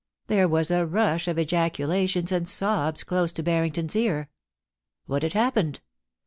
There was a rush of ejaculations and sobs close to Harrington's ear. What had happened